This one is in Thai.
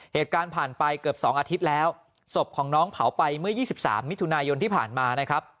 เหตุการณ์ผ่านไปเกือบ๒อาทิตย์แล้วศพของน้องเผาไปเมื่อ๒๓มิถุนายนที่ผ่านมานะครับ